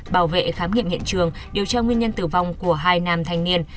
bảo vệ khám nghiệm hiện trường điều tra nguyên nhân tử vong của hai nam thanh niên